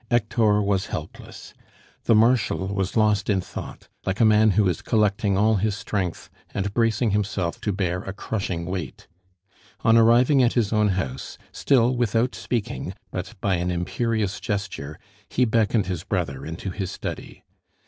Hector was helpless. The Marshal was lost in thought, like a man who is collecting all his strength, and bracing himself to bear a crushing weight. On arriving at his own house, still without speaking, but by an imperious gesture, he beckoned his brother into his study.